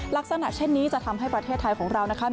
ลักษณะเช่นนี้จะทำให้ประเทศไทยของเรานะคะ